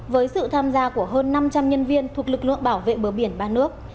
với sự tham gia của hơn năm trăm linh nhân viên thuộc lực lượng bảo vệ bờ biển ba nước